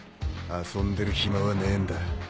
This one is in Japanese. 遊んでる暇はねえんだ。